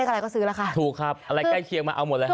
เลขอะไรก็ซื้อราคาถูกครับอะไรใกล้เคียงมาเอาหมดเลยฮะ